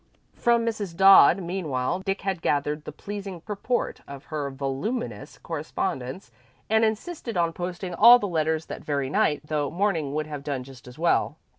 From Mrs. Dodd, meanwhile, Dick had gathered the pleasing purport of her voluminous correspondence, and insisted on posting all the letters that very night, though morning would have done just as well.